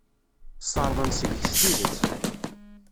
Sserḍen seg-k s tidet.